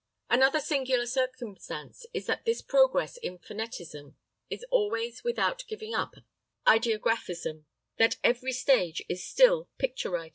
Another singular circumstance is that this progress in phonetism is always without giving up ideographism; that every stage is still picture writing.